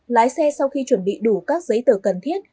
lái xe sau khi chuẩn bị đủ các giấy tờ cần thiết